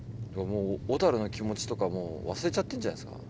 小樽の気持ちとかもう忘れちゃってんじゃないですか？